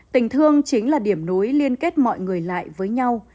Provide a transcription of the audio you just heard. tình thương chính là điểm nối liên kết mọi người lại với nhau